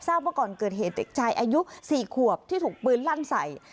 ว่าก่อนเกิดเหตุเด็กชายอายุ๔ขวบที่ถูกปืนลั่นใส่